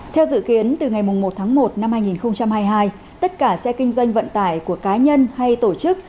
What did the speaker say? theo dự kiến từ ngày một tháng một năm hai nghìn hai mươi hai tất cả xe kinh doanh vận tải của cá nhân hay tổ chức